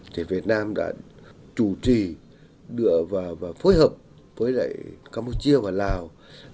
thì việt nam đã chủ trì đưa vào và phối hợp với lại campuchia và lào